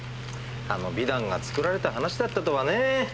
あの美談が作られた話だったとはね。